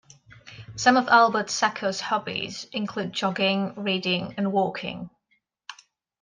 Some of Albert Sacco's hobbies include jogging, reading, and walking.